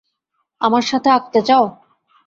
আমার সাথে আঁকতে চাও?